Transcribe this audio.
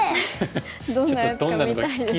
どんなやつか見たいですね。